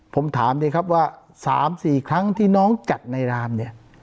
ผมถามดีครับว่า๓๔ครั้งที่น้องจัดในรามเนี่ย